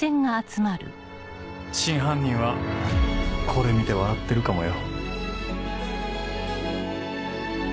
真犯人はこれ見て笑ってるかもよ。